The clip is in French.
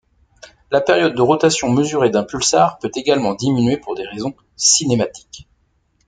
La période de rotation mesurée d'un pulsar peut également diminuer pour des raisons cinématiques.